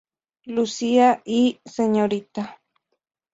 Lucía y Sta.